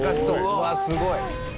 うわっすごい！